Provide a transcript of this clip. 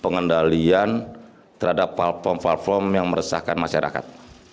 pengendalian terhadap platform platform yang meresahkan masyarakat